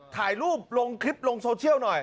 ถ่ายรูปลงคลิปลงโซเชียลหน่อย